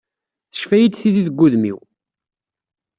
Teccef-iyi-d tidi deg udem-iw.